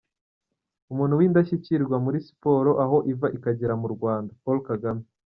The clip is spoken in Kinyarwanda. Umuntu w’indashyikirwa muri siporo aho iva ikagera mu Rwanda: Paul Kagame.